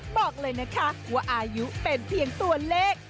บอกเลยนะคะว่าอายุเป็นเพียงตัวเลข